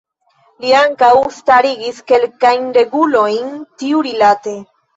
Li ankaŭ starigis kelkajn regulojn tiurilate.